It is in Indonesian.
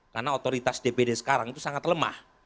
karena otoritas dpd sekarang itu sangat lemah